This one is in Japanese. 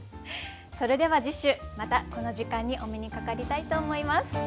それでは次週またこの時間にお目にかかりたいと思います。